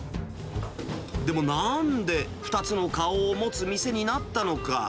でもなんで、２つの顔を持つ店になったのか。